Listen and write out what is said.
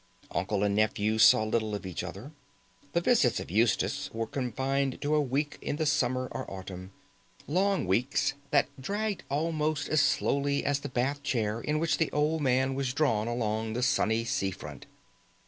Uncle and nephew saw little of each other. The visits of Eustace were confined to a week in the summer or autumn: long weeks, that dragged almost as slowly as the bath chair in which the old man was drawn along the sunny sea front.